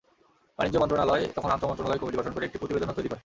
বাণিজ্য মন্ত্রণালয় তখন আন্তমন্ত্রণালয় কমিটি গঠন করে একটি প্রতিবেদনও তৈরি করে।